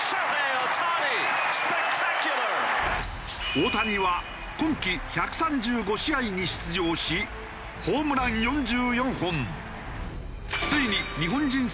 大谷は今季１３５試合に出場しホームラン４４本。